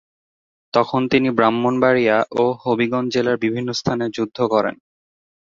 তখন তিনি ব্রাহ্মণবাড়িয়া ও হবিগঞ্জ জেলার বিভিন্ন স্থানে যুদ্ধ করেন।